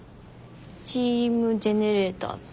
チーム・ジェネレーターズ。